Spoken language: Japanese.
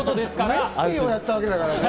ウエスＰをやったわけだからね。